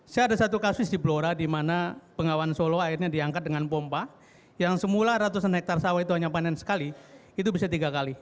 saya ada satu kasus di blora di mana bengawan solo akhirnya diangkat dengan pompa yang semula ratusan hektare sawah itu hanya panen sekali itu bisa tiga kali